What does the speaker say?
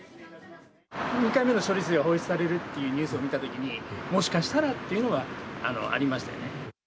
２回目の処理水が放出されるっていうニュースを見たときに、もしかしたらっていうのはありましたね。